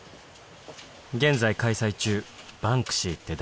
現在開催中「バンクシーって誰？